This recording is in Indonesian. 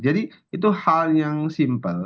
jadi itu hal yang simpel